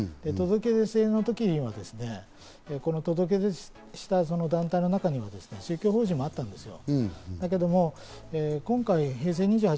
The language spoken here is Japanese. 届け出制の時にはこの届け出した団体の中には、宗教法人もあったんですよ。